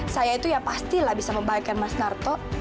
saya itu ya pastilah bisa membahayakan mas narto